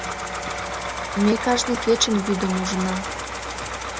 Ме кажне кечын вӱдым ужына.